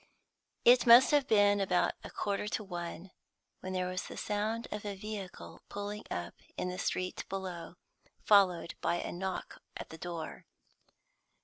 It must have been about a quarter to one when there was the sound of a vehicle pulling up in the street below, followed by a knock at the door.